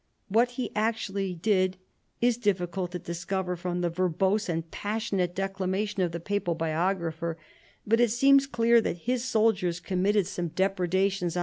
"What he actually did it is difficult to discover from the verbose and passionate declamation of the papal biographer, but it seems clear that his soldiers committed some depredations 86 CHARLEMAGNE.